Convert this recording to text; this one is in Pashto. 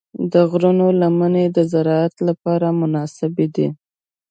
د غرونو لمنې د زراعت لپاره مناسبې دي.